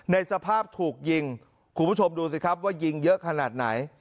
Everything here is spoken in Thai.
ในสภาพถูกยิงคุณผู้ชมดูสิครับว่ายิงเยอะขนาดไหน